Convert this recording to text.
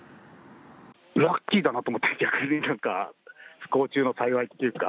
ラッキーだなと思って、逆になんか、不幸中の幸いっていうか。